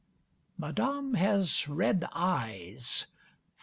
Madame has red eyes.